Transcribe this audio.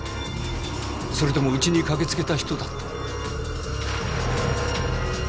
それともウチに駆けつけた人だったの？